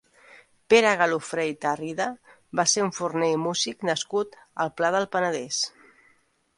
Pere Galofré i Tarrida va ser un forner i músic nascut al Pla del Penedès.